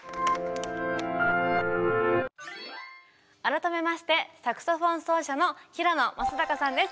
改めましてサクソフォン奏者の平野公崇さんです。